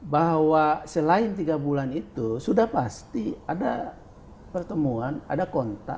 bahwa selain tiga bulan itu sudah pasti ada pertemuan ada kontak